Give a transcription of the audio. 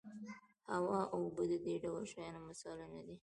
هوا او اوبه د دې ډول شیانو مثالونه دي.